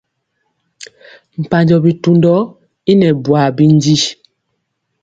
Mpanjɔ bitundɔ i nɛ bwaa bindi.